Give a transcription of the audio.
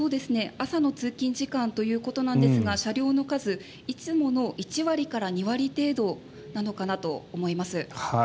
朝の通勤時間ということなんですが車両の数、いつもの１割から２割程度なのかなと思います。